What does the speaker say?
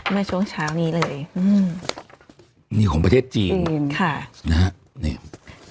มาช่วงเช้านี้เลยอืมนี่ของประเทศจีนค่ะนะฮะนี่อืม